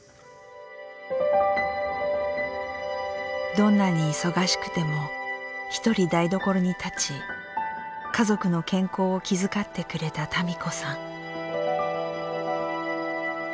どんなに忙しくても一人台所に立ち家族の健康を気遣ってくれた多美子さん。